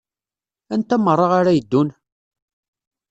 Anta meṛṛa ara yeddun?